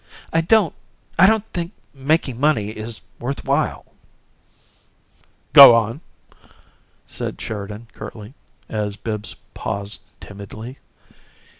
I don't I don't think making money is worth while." "Go on," said Sheridan, curtly, as Bibbs paused timidly.